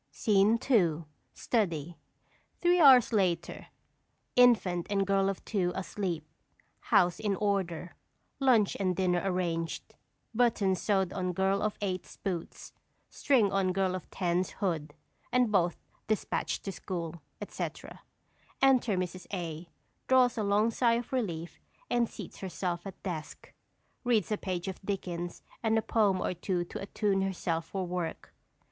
_ SCENE II. STUDY. [_Three hours later; infant and Girl of Two asleep; house in order; lunch and dinner arranged; buttons sewed on Girl of Eight's boots, string on Girl of Ten's hood, and both dispatched to school, etc. Enter Mrs. A. Draws a long sigh of relief and seats herself at desk. Reads a page of Dickens and a poem or two to attune herself for work.